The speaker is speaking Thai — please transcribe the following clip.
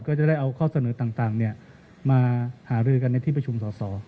ก็จะได้เอาข้อเสนอต่างมาหารือกันในที่ประชุมสอสอ